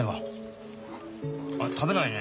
あっ食べないね。